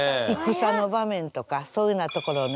戦の場面とかそういうふうなところに。